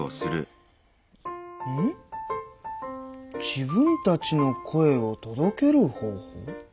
自分たちの声を届ける方法？